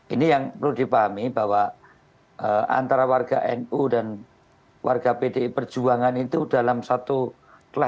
ini yang perlu dipahami bahwa antara warga nu dan warga pdi perjuangan itu dalam satu perjuangan yang berbeda ya